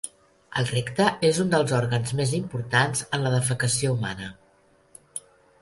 El recte és un dels òrgans més importants en la defecació humana.